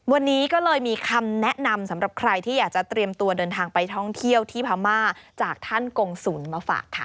วันนี้ก็เลยมีคำแนะนำสำหรับใครที่อยากจะเตรียมตัวเดินทางไปท่องเที่ยวที่พม่าจากท่านกงศูนย์มาฝากค่ะ